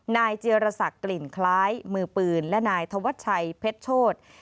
เจียรศักดิ์กลิ่นคล้ายมือปืนและนายธวัชชัยเพชรโชธ